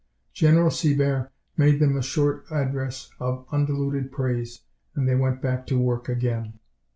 General Sibert made them a short address of undiluted praise, and they went back to work again.